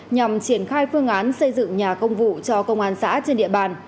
nhằm triển khai phương án xây dựng nhà công vụ cho công an xã trên địa bàn